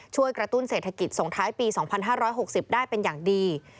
ช่วยกระตุ้นเศรษฐกิจส่งท้ายปี๒๕๖๐ได้เป็นอย่างดี